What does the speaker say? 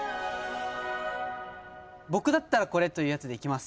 僕だったらこれというやつでいきます。